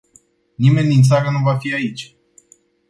Nimeni din țară nu va fi aici.